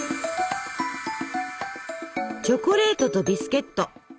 チョコレートとビスケット。